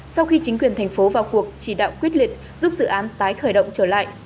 sau khi chính quyền thành phố vào cuộc chỉ đạo quyết liệt giúp dự án tái khởi động trở lại